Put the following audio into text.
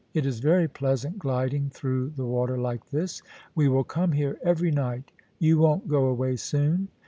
It is very pleasant gliding through the water like this. We will come here every night You won't go away soon ?